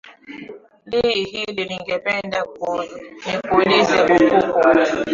li hili ningependa nikuulize bukuku